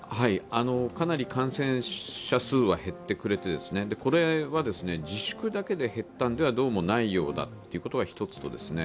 かなり感染者数は減ってくれて、これは自粛だけで減ったのではどうもないようだっていうことが一つとですね